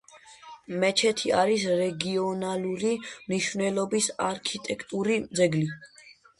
მეჩეთი არის რეგიონალური მნიშვნელობის არქიტექტურული ძეგლი.